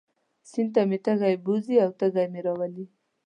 سیند ته مې تږی بوځي او تږی مې راولي.